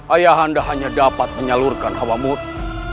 ayahanda hanya dapat menyalurkan hawa muda